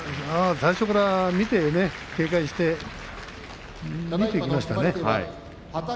最初から警戒して見ていきましたよね。